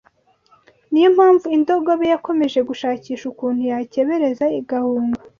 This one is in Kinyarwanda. Ni yo mpamvu indogobe yakomeje gushakisha ukuntu yakebereza igahunga